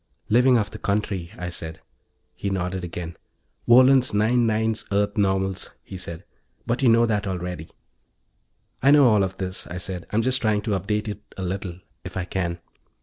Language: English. "Living off the country," I said. He nodded again. "Wohlen's nine nines Earth normals," he said. "But you know that already." "I know all of this," I said. "I'm just trying to update it a little, if I can."